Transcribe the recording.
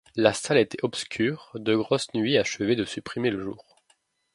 La salle était obscure, de grosses nuées achevaient de supprimer le jour.